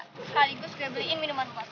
sekali gue juga beliin minuman pas